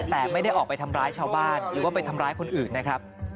แต่ไม่ได้ออกไปทำร้ายชาวบ้านหรือว่าไปทำร้ายคนอื่นนะครับ